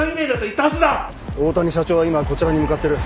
大谷社長は今こちらに向かってる。